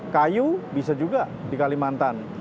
kayu bisa juga di kalimantan